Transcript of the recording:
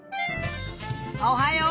おはよう！